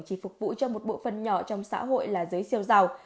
chỉ phục vụ cho một bộ phần nhỏ trong xã hội là giấy siêu giàu